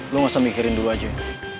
lo gak usah mikirin dulu aja